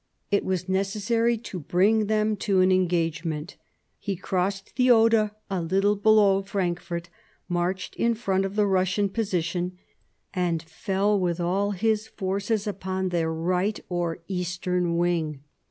It was necessary to bring them to an engagement He crossed the Oder a little below Frankfort, marched in front of the Russian position, and fell with all his forces upon their right or eastern wing.